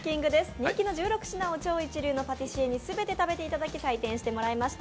人気の１６品を超一流のパティシエに全て食べていただき採点してもらいました。